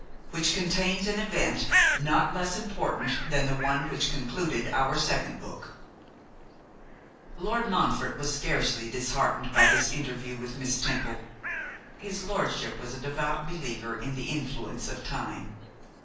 Which Contains an Event Not Less Important Than the One Which Concluded Our Second Book. LORD MONTFORT was scarcely disheartened by this interview with Miss Temple. His lordship was a devout believer in the influence of time.